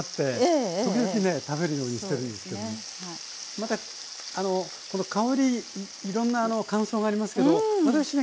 またあのこの香りいろんな感想がありますけど私ね